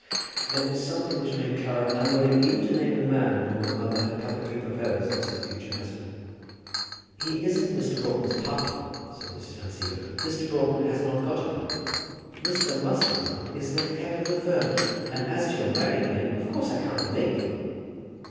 There was something which made Clara unwilling even to name the man whom her mother had publicly proposed as her future husband. "He isn't Mr. Broughton's partner," said Mrs. Van Siever. "Mr. Broughton has not got a partner. Mr. Musselboro is the head of the firm. And as to your marrying him, of course, I can't make you."